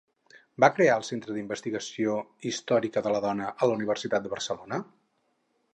Va crear el Centre d'Investigació Històrica de la Dona de la Universitat de Barcelona?